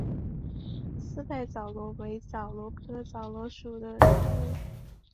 四带枣螺为枣螺科枣螺属的动物。